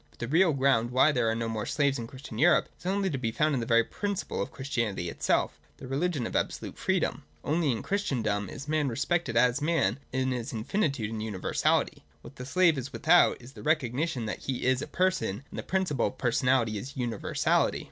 But the real ground why there are no more slaves in Christian Europe is only to be found in the very principle of Christianity itself, the religion of absolute freedom. Only in Christendom is man respected as man, in his infinitude and universality. What the slave is without, is the recognition that he is a person : and the principle of personality is universality.